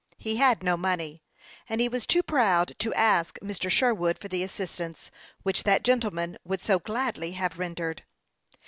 He had no money, and he was too proud to ask Mr. Sherwood for the assistance which that gentleman would so gladly have rendered.